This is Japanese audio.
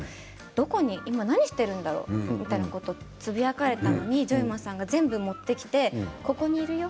今何してるんだろうというようなことをつぶやかれたのにジョイマンさんが全部持ってきてここにいるよ